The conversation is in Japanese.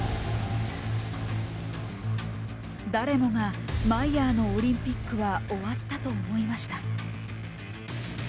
誰もがマイヤーのオリンピックは終わったと思いました。